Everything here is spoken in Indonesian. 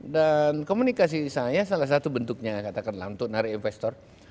dan komunikasi saya salah satu bentuknya katakanlah untuk nari investor